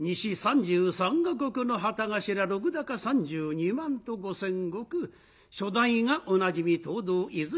西３３国の旗頭禄高３２万と５，０００石初代がおなじみ藤堂和泉